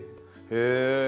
へえ！